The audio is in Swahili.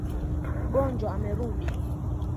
Mjonjwa amerudi.